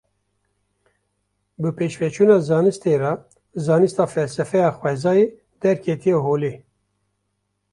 Bi pêşveçûna zanistê re, zanista felsefeya xwezayê derketiye holê